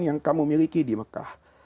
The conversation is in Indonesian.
yang kamu miliki di mekah